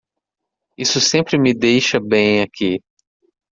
Isso sempre me deixa bem aqui.